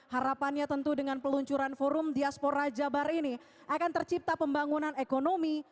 harapannya tentu dengan peluncuran forum diaspora jabar ini akan tercipta pembangunan ekonomi